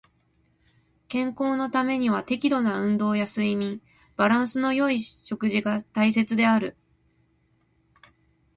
健康のためには適度な運動や睡眠、バランスの良い食事が大切である。